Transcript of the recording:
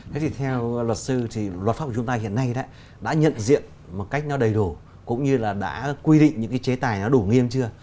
thế thì theo luật sư thì luật pháp của chúng ta hiện nay đã nhận diện một cách nó đầy đủ cũng như là đã quy định những cái chế tài nó đủ nghiêm chưa